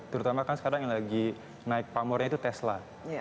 terutama kan sekarang yang lagi naik pamornya itu tesla